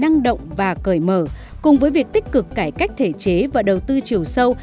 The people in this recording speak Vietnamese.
năng động và cởi mở cùng với việc tích cực cải cách thể chế và đầu tư chiều sâu